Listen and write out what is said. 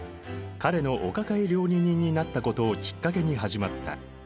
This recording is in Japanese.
彼のお抱え料理人になったことをきっかけに始まった。